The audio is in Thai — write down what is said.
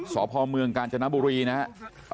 สพเมืองกาญจนบุรีนะครับ